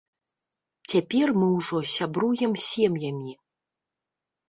Цяпер мы ўжо сябруем сем'ямі.